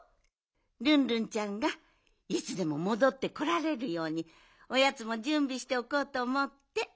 ルンルンちゃんがいつでももどってこられるようにおやつもじゅんびしておこうとおもって。